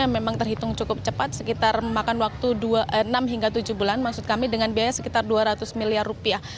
yang memang terhitung cukup cepat sekitar memakan waktu enam hingga tujuh bulan maksud kami dengan biaya sekitar dua ratus miliar rupiah